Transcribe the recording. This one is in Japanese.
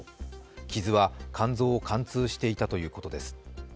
傷は肝臓を貫通していたということです。